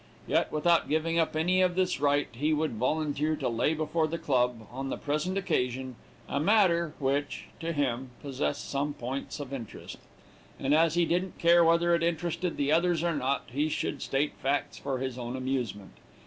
Yet, without giving up any of this right, he would volunteer to lay before the club, on the present occasion, a matter which, to him, possessed some points of interest, and as he didn't care whether it interested the others or not, he should state facts for his own amusement.